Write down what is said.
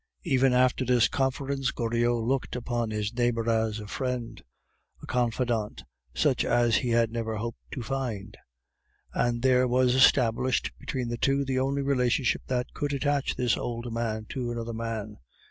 Ever after this conference Goriot looked upon his neighbor as a friend, a confidant such as he had never hoped to find; and there was established between the two the only relationship that could attach this old man to another man.